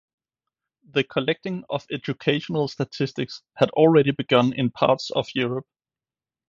The collecting of educational statistics had already begun in parts of Europe.